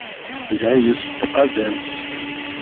E é isso que fazemos.